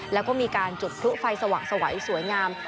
และก็มีการจุดทุกฟัยสว่างสวยสวยงาม